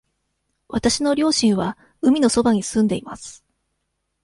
わたしの両親は海のそばに住んでいます。